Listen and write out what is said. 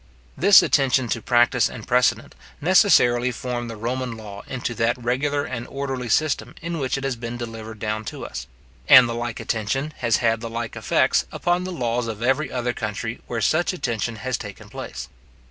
This attention to practice and precedent, necessarily formed the Roman law into that regular and orderly system in which it has been delivered down to us; and the like attention has had the like effects upon the laws of every other country where such attention has taken place.